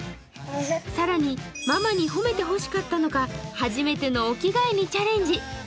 更に、ママに褒めて欲しかったのか初めてのお着替えにチャレンジ。